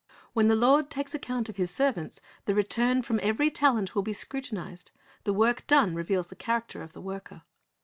When the Lord takes account of His servants, the return from every talent will be scrutinized. The work done reveals the character of the worker.